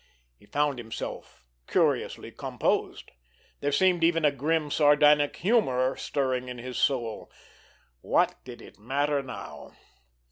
He found himself curiously composed. There seemed even a grim, sardonic humor stirring in his soul. What did it matter now?